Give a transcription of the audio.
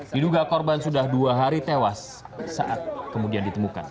diduga korban sudah dua hari tewas saat kemudian ditemukan